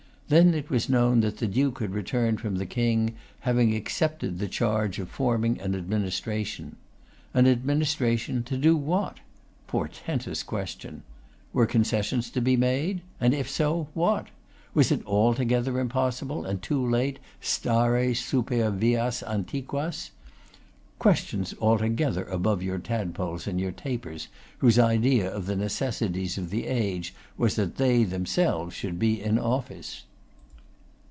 Then it was known that the Duke had returned from the King, having accepted the charge of forming an administration. An administration to do what? Portentous question! Were concessions to be made? And if so, what? Was it altogether impossible, and too late, 'stare super vias antiquas?' Questions altogether above your Tadpoles and your Tapers, whose idea of the necessities of the age was that they themselves should be in office.